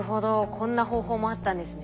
こんな方法もあったんですね。